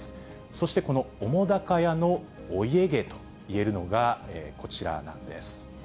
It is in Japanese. そしてこの澤瀉屋のお家芸といえるのが、こちらなんです。